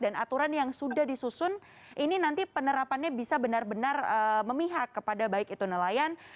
dan aturan yang sudah disusun ini nanti penerapannya bisa benar benar memihak kepada baik itu nelayan